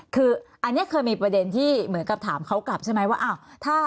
คืออันนี้เคยมีประเด็นที่เหมือนกับถามเขากลับใช่ไหมว่า